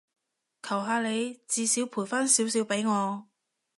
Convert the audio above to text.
求下你，至少賠返少少畀我